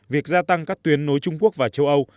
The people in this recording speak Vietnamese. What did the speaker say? việc gia tăng các tuyến nối trung quốc và châu âu